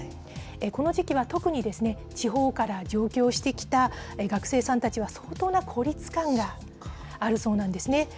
この時期は特に、地方から上京してきた学生さんたちは相当な孤立感があるそうなんですね。